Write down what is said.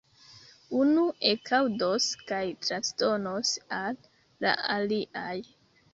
Unu ekaŭdos kaj transdonos al la aliaj.